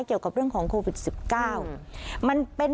คุณค่ะ